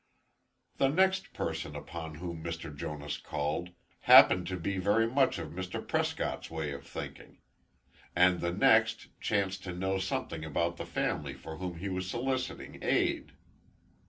The next person upon whom Mr. Jonas called, happened to be very much of Mr. Prescott's way of thinking; and the next chanced to know something about the family for whom he was soliciting aid.